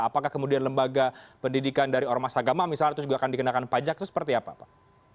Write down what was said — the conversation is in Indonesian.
apakah kemudian lembaga pendidikan dari ormas agama misalnya itu juga akan dikenakan pajak itu seperti apa pak